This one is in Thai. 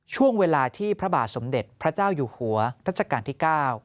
ช่วงเวลาที่พระบาทสมเด็จพระเจ้าอยู่หัวรัชกาลที่๙